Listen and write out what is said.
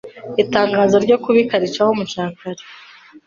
Itangazo ryo kubika ricaho mucya kare